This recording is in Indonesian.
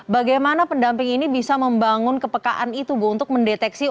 bagaimana pendamping ini bisa membangun kepekaan itu bu untuk mendeteksi